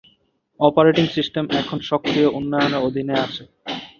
Operating সিস্টেমটি এখনও সক্রিয় উন্নয়নের অধীনে আছে।